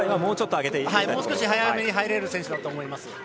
もう少し早めに入れる選手だと思います。